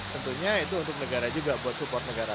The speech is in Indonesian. tentunya itu untuk negara juga buat support negara